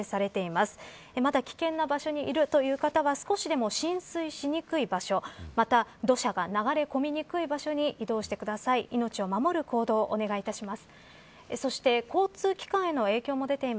まだ危険な場所にいるという方は少しでも浸水しにくい場所また土砂が流れ込みにくい場所に移動してください。